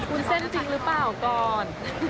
เส้นจริงหรือเปล่าก่อน